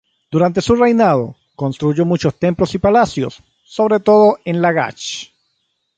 Durante su reinado, construyó muchos templos y palacios, sobre todo en Lagash.